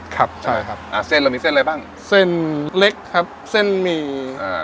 ครับใช่ครับอ่าเส้นเรามีเส้นอะไรบ้างเส้นเล็กครับเส้นหมี่อ่า